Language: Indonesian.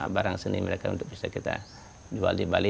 barang seni mereka untuk bisa kita jual di bali